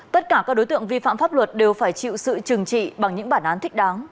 tất cả các đối tượng vi phạm pháp luật đều phải chịu sự trừng trị bằng những bản án thích đáng